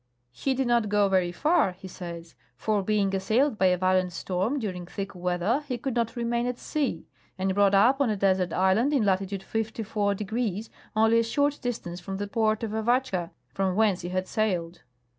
' He did not go very far,' he says, ' for, being assailed by a violent storm during thick weather, he could not remain at sea, and brought up on a desert island in latitude 54°, only a short distance from the Port of Avatcha from whence he had sailed.'